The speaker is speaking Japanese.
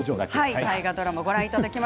大河ドラマをご覧いただきます。